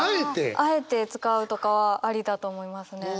あえて使うとかはありだと思いますね。